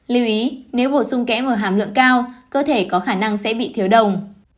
lưu ý nếu bổ sung kẽm ở hàm lượng cao cơ thể có khả năng sẽ bị thiếu đồng